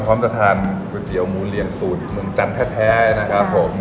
พร้อมจะทานก๋วยเตี๋ยวหมูเหลี่ยงสูตรเมืองจันทร์แท้นะครับผม